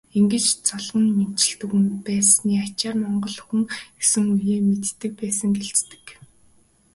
Ингэж золгон мэндчилдэг байсны ачаар монгол хүн есөн үеэ мэддэг байсан гэлцдэг.